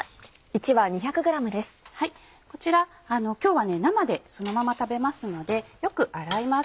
こちら今日は生でそのまま食べますのでよく洗います。